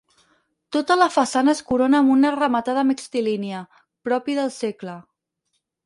Tota la façana es corona amb una rematada mixtilínia, propi del segle.